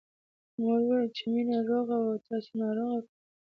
مور وويل چې مينه روغه وه او تاسې ناروغه کړه